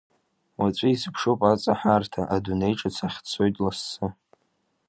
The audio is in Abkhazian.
Уаҵәы изыԥшуп аҵаҳәарҭа, адунеи ҿыц ахь дцоит лассы.